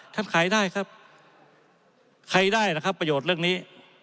ขายได้ครับใครได้ล่ะครับประโยชน์เรื่องนี้